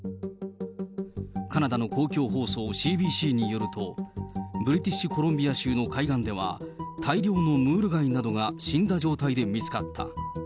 カナダの公共放送ＣＢＣによると、ブリティッシュコロンビア州の海岸では、大量のムール貝などが死んだ状態で見つかった。